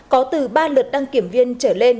có từ ba lượt đăng kiểm viên trở lên